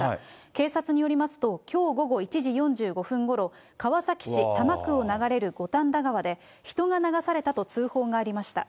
警察によりますと、きょう午後１時４５分ごろ、川崎市多摩区を流れるごたんだ川で人が流されたと通報がありました。